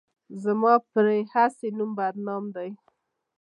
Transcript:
زما پرې هسې نوم بدنام دی.